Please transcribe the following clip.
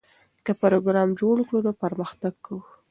که پروګرام جوړ کړو نو پرمختګ کوو.